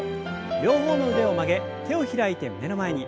両方の腕を曲げ手を開いて胸の前に。